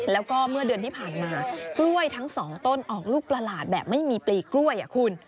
แล้วก็เมื่อเดือนที่ผ่านมากล้วยทั้งสองต้นออกลูกประหลาดแบบไม่มีปลีกล้วยคุณ